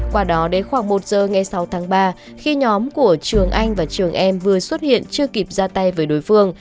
qua đó đến khoảng một giờ ngày sáu tháng ba khi nhóm của trường anh và trường em vừa xuất hiện chưa kịp ra tay với đối phương